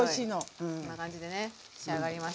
こんな感じでね仕上がりました。